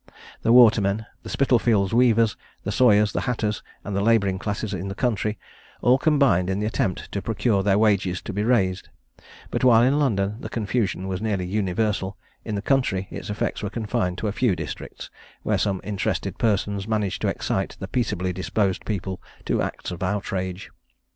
The watermen, the Spitalfields weavers, the sawyers, the hatters, and the labouring classes in the country, all combined in the attempt to procure their wages to be raised; but while in London the confusion was nearly universal, in the country its effects were confined to a few districts, where some interested persons managed to excite the peaceably disposed people to acts of outrage.